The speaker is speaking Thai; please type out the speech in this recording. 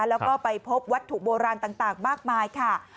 แล้วก็ไปพบวัตถุโบราณต่างมากมายค่ะ